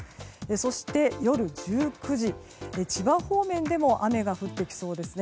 そして夜１９時、千葉方面でも雨が降ってきそうですね。